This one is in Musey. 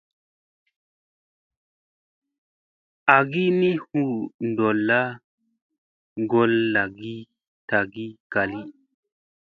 Agi ni hu ɗolla ŋgolla lagi tagi gali.